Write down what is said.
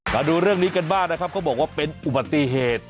มาดูเรื่องนี้กันบ้างนะครับเขาบอกว่าเป็นอุบัติเหตุ